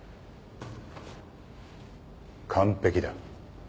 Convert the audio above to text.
完璧だ。